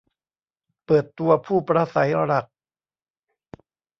เปิดตัวผู้ปราศรัยหลัก !